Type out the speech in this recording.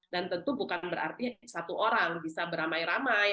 dan tentu bukan berarti satu orang bisa beramai ramai